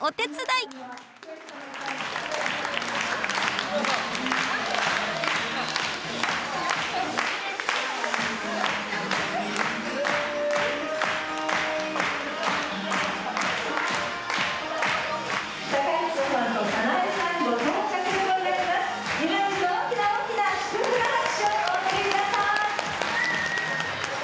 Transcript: いま一度大きな大きな祝福の拍手をお送り下さい！